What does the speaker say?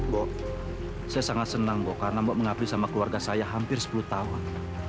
bok saya sangat senang bu karena mk mengabdi sama keluarga saya hampir sepuluh tahun